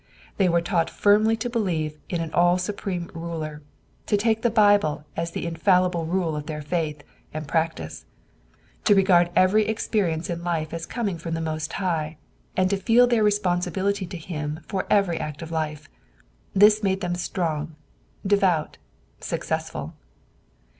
They were taught firmly to believe in an All supreme Ruler, to take the Bible as the infallible rule of their faith and practice; to regard every experience in life as coming from the Most High, and to feel their responsibility to Him for every act of life. This made them strong, devout, successful.